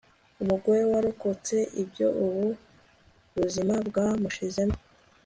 Umugore warokotse ibyo ubu buzima bwamushizemo